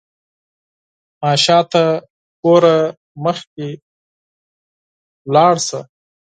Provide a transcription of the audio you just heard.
مه شاته ګوره، مخکې لاړ شه.